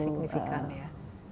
tidak terlalu signifikan ya